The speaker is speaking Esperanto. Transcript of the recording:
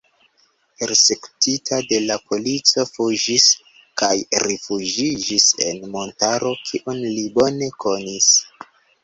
Persekutita de la polico fuĝis kaj rifuĝiĝis en montaro kiun li bone konis.